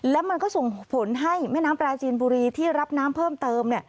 และมันก็ส่งผลให้แม่น้ำปลาจีนบุรีที่รับน้ำเพิ่มเติม